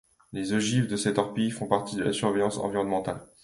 Les ogives de ces torpilles font partie de la surveillance environnementale.